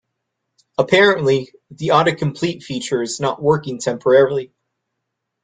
Apparently, the autocomplete feature is not working temporarily.